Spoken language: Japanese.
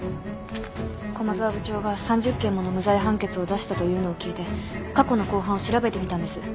駒沢部長が３０件もの無罪判決を出したというのを聞いて過去の公判を調べてみたんです。